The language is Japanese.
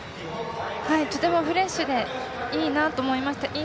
とてもフレッシュでいいなと思いました。